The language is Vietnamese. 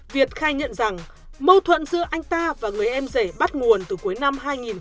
việt khai nhận rằng mâu thuẫn giữa anh ta và người em rể bắt nguồn từ cuối năm hai nghìn một mươi